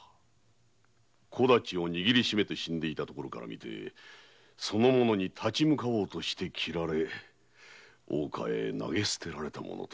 小太刀を握りしめて死んでいたところからみてその者に立ち向かって斬られ大川へ投げ捨てられたものと。